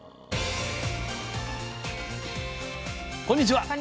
こんにちは。